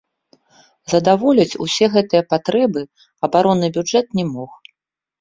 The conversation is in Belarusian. Задаволіць усе гэтыя патрэбы абаронны бюджэт не мог.